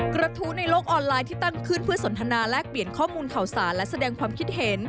กระทู้ในโลกออนไลน์ที่ตั้งขึ้นเพื่อสนทนาแลกเปลี่ยนข้อมูลข่าวสารและแสดงความคิดเห็น